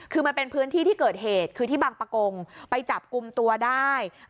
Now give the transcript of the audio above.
คือมันเป็นพื้นที่ที่เกิดเหตุคือที่บางประกงไปจับกลุ่มตัวได้